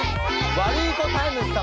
ワルイコタイムス様。